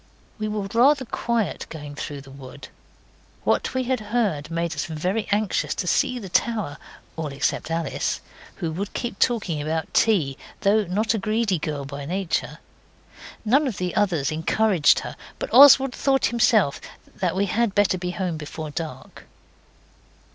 We were rather quiet going through the wood. What we had heard made us very anxious to see the tower all except Alice, who would keep talking about tea, though not a greedy girl by nature. None of the others encouraged her, but Oswald thought himself that we had better be home before dark.